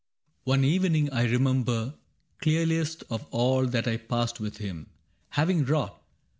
" One evening I remember clearliest Of all that I passed with him. Having wrought.